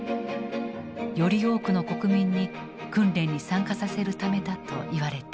より多くの国民に訓練に参加させるためだといわれている。